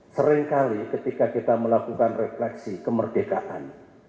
seringkali ketika kita melakukan refleksi kemerdekaan